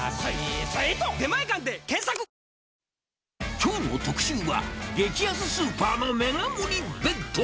きょうの特集は、激安スーパーのメガ盛り弁当。